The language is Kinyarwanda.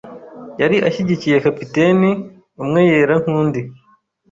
yari ashyigikiye kapiteni, umwe yera nkundi.